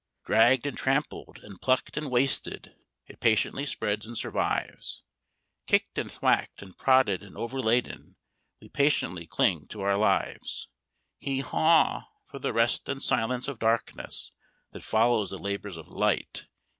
Dragged and trampled, and plucked and wasted, it patiently spreads and survives; Kicked and thwacked, and prodded and over laden, we patiently cling to our lives. Hee haw! for the rest and silence of darkness that follow the labours of light.